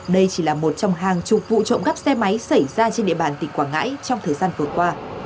đây chỉ là một trong hàng chục vụ trộm cắp xe máy xảy ra trên địa bàn tỉnh quảng ngãi trong thời gian vừa qua